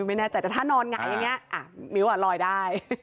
มิวไม่แน่ใจแต่ถ้านอนไงอย่างเงี้ยอ่ะมิวอะลอยได้